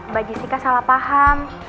mbak jessica salah paham